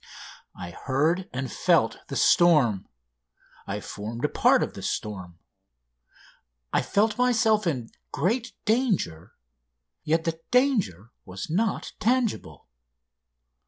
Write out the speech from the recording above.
I heard and felt the storm. I formed a part of the storm. I felt myself in great danger, yet the danger was not tangible.